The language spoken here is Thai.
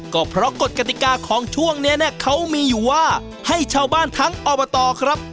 ก็เพราะกฎกติกาของช่วงนี้เนี่ยเขามีอยู่ว่าให้ชาวบ้านทั้งอบตครับ